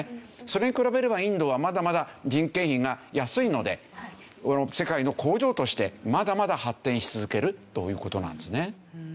それに比べればインドはまだまだ人件費が安いので世界の工場としてまだまだ発展し続けるという事なんですね。